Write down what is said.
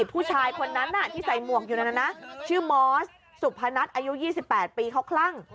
ผู้ชายคนนั้นที่ใส่หมวกอยู่นั่นนะชื่อมอสสุพนัทอายุ๒๘ปีเขาคลั่ง